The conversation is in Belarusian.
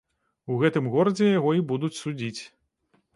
У гэтым горадзе яго і будуць судзіць.